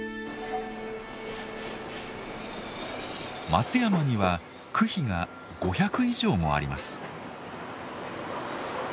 松山には句碑が５００以上もあります。